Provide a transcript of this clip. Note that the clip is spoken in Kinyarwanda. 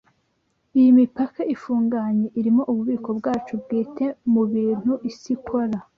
Iyi mipaka ifunganye irimo ububiko bwacu bwite Mubintu isi ikora